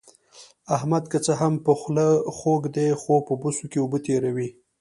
احمد که څه هم په خوله خوږ دی، خو په بوسو کې اوبه تېروي.